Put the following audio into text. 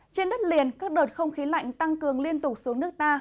trên đất liền các đợt không khí lạnh tăng cường liên tục xuống nước ta